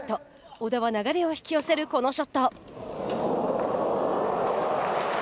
小田は流れを引き寄せるこのショット。